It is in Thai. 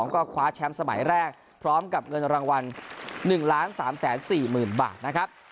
ก็คว้าแชมป์สมัยแรกพร้อมกับเงินรางวัล๑๓๔๐๐๐บาทนะครับ